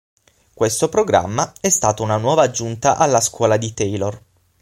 Questo programma è stato una nuova aggiunta alla scuola di Taylor.